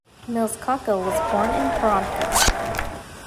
Mills-Cockell was born in Toronto.